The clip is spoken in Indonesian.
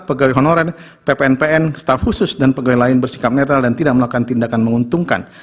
pegawai honorer ppnpn staf khusus dan pegawai lain bersikap netral dan tidak melakukan tindakan menguntungkan